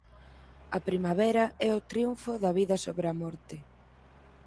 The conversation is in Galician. A primavera é o triunfo da vida sobre a morte.